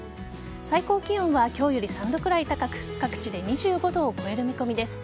最高気温は今日より３度くらい高く各地で２５度を超える見込みです。